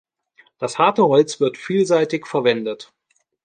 Das harte Holz wird vielseitig verwendet.